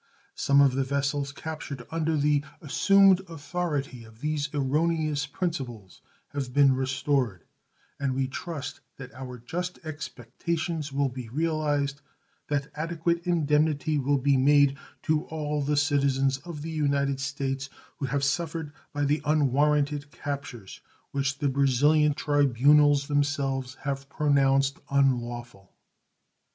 Some of the vessels captured under the assumed authority of these erroneous principles have been restored, and we trust that our just expectations will be realized that adequate indemnity will be made to all the citizens of the United States who have suffered by the unwarranted captures which the Brazilian tribunals themselves have pronounced unlawful.